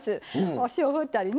お塩をふったりね